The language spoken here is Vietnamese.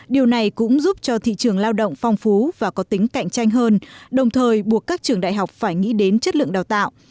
điều này cũng giúp cho thị trường lao động phong phú và có tính cạnh tranh hơn đồng thời buộc các trường đại học phải nghĩ đến chất lượng đào tạo